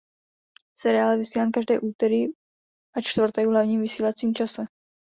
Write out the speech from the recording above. Seriál je vysílán každé úterý a čtvrtek v hlavním vysílacím čase.